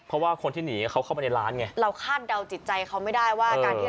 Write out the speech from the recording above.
เพราะว่าคนที่หนีเขาเข้าไปในร้านไงเราคาดเดาจิตใจเขาไม่ได้ว่าการที่